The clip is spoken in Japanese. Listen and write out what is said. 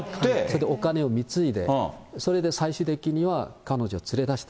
お金を貢いで、それで最終的には彼女連れ出した。